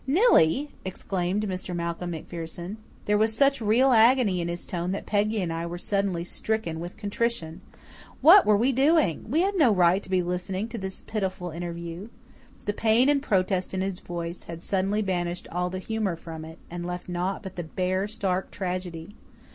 "Nillie!" exclaimed Mr. Malcolm MacPherson. There was such real agony in his tone that Peggy and I were suddenly stricken with contrition. What were we doing? We had no right to be listening to this pitiful interview. The pain and protest in his voice had suddenly banished all the humour from it, and left naught but the bare, stark tragedy.